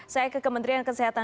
saya ke kementerian kesehatan